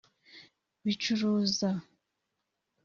bicuruza